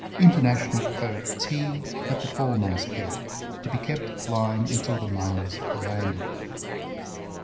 International code T at the foremast head; to be kept flying until the mails are landed.